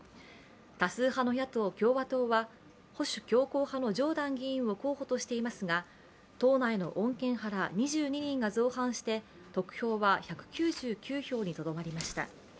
多数派の野党・共和党は保守強硬派のジョーダン議員を候補としていますが党内の穏健派ら２２人が造反して、得票は１９９票にとどまりました。